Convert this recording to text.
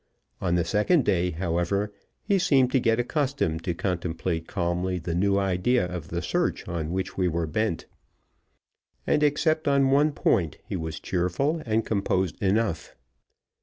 On the second day, however, he seemed to get accustomed to contemplate calmly the new idea of the search on which we were bent, and, except on one point, he was cheerful and composed enough.